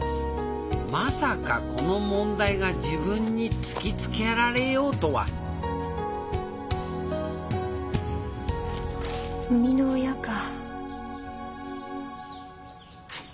まさかこの問題が自分に突きつけられようとは生みの親か。